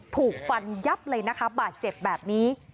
ถูกฟันยับเลยนะคะบาดเจ็บแบบนี้